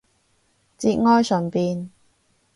節哀順變